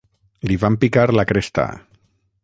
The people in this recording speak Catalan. Li van picar la cresta.